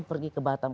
kalau pergi ke batam